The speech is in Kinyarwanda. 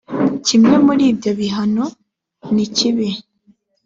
kimwe muri ibyo bihano nikibi